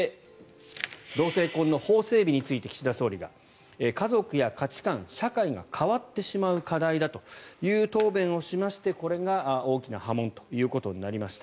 同性婚の法整備について岸田総理が家族や価値観、社会が変わってしまう課題だという答弁をしましてこれが大きな波紋ということになりました。